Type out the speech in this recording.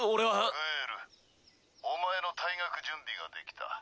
グエルお前の退学準備が出来た。